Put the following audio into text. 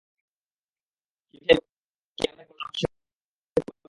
তো, মিশেল কি আমরা কিভাবে প্রেমে পড়লাম সে গল্প বলেছে?